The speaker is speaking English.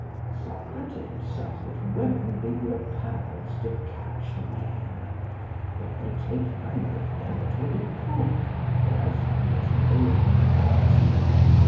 Socrates said that women be the apparels to catch men, but they take none but them that will be poor or else them that know them not.